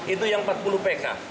itu yang empat puluh pk